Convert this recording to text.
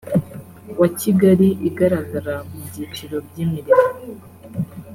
wa kigali igaragara mu byiciro by imirimo